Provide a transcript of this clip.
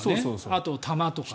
あと、玉とかね。